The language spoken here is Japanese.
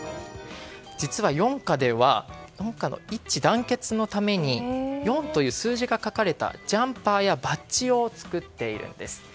実は、４課では４課の一致団結のために４という数字が書かれたジャンパーやバッジを作っているんです。